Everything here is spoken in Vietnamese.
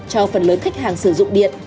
cho phần lớn khách hàng sử dụng điện